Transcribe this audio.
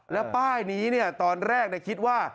แล้วป้ายนี้เนี่ยตอนแรกได้คิดว่า